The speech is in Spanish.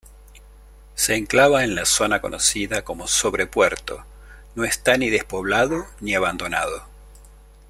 Se enclava en la zona conocida como Sobrepuerto.No esta ni despoblado ni abandonado.